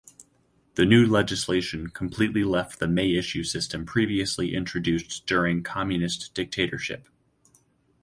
The new legislation completely left the may issue system previously introduced during communist dictatorship.